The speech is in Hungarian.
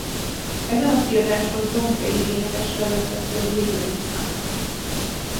Ezen a kiadáson John Payne énekessel vettek föl régebbi számokat.